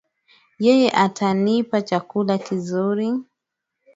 Yeye atanipa chakula kizuri